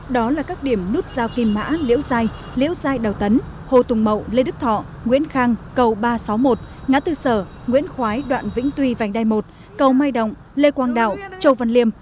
đó là các điểm nút giao kim mã liễu giai liễu giai đào tấn hồ tùng mậu lê đức thọ nguyễn khang cầu ba trăm sáu mươi một ngã tư sở nguyễn khói đoạn vĩnh tuy vành đai một cầu mai động lê quang đạo châu văn liêm